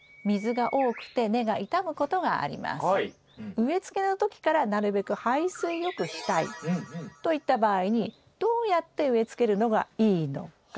植え付けの時からなるべく排水よくしたい。といった場合にどうやって植え付けるのがいいのか？